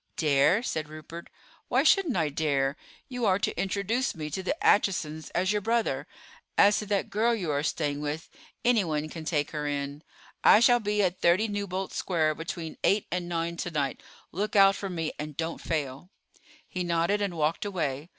"Dare?" said Rupert; "why shouldn't I dare? You are to introduce me to the Achesons as your brother. As to that girl you are staying with, anyone can take her in. I shall be at 30 Newbolt Square between eight and nine to night. Look out for me, and don't fail." He nodded and walked away.